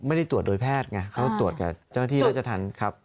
ไม่ได้ตรวจโดยแพทย์ไงเขาตรวจกับเจ้าหน้าที่ราชธรรมครับ